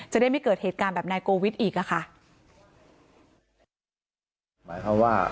จะได้ไม่เกิดเหตุการณ์แบบนายโกวิทย์อีกอะค่ะ